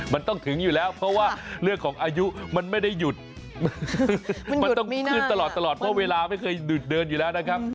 มันต้องถึงอยู่แล้วเพราะว่าเรื่องของอายุมันไม่ได้หยุดมันต้องขึ้นตลอดเพราะเวลาไม่เคยดึกเดินอยู่แล้วนะครับ